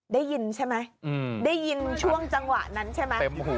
ได้ยินใช่ไหม